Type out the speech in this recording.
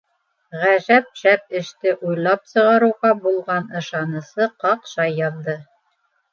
Гәжәп шәп эште уйлап сығарыуға булған ышанысы ҡаҡшай яҙҙы.